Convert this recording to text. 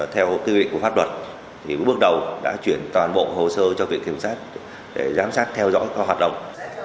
theo quy định của pháp luật bước đầu đã chuyển toàn bộ hồ sơ cho viện kiểm sát để giám sát theo dõi các hoạt động